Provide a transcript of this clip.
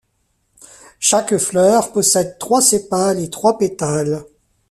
Chaque fleur possède trois sépales et trois pétales.